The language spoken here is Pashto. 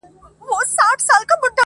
تاته څوک څه نه وايي ته چي څه کوې کوه يې,